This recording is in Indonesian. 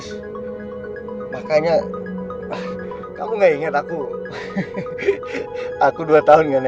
sebenernya aku tak bisa kerja di kantor ya ya elah kamu ini kayak gak tau aja kalo otakku gak nyampe nis